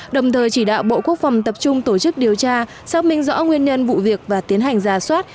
đồng thời chỉ đạo bộ quốc phòng tập trung tổ chức điều tra xác minh rõ nguyên nhân vụ việc và tiến hành giả soát